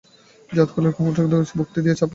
জাতকুলের কথাটাকে কুমু তার ভক্তি দিয়ে চাপা দিয়েছিল।